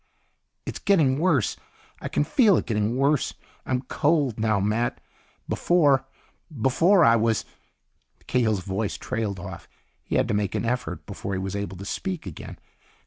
"It's getting worse. I can feel it getting worse. I'm cold now, Matt. Before ... before I was...." Cahill's voice trailed off. He had to make an effort before he was able to speak again.